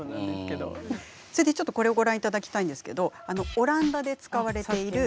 それでちょっとこれをご覧いただきたいんですけどオランダで使われている。